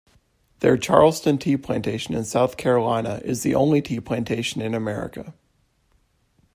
Their Charleston Tea Plantation in South Carolina is the only tea plantation in America.